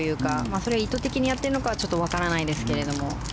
それを意図的にやってるのかはちょっと分からないですけど。